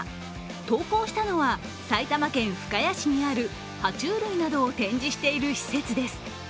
投稿したのは埼玉県深谷市にあるは虫類などを展示している施設です。